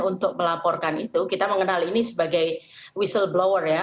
untuk melaporkan itu kita mengenal ini sebagai whistleblower ya